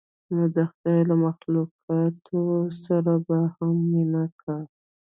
نو د خداى له مخلوقاتو سره به هم مينه کا.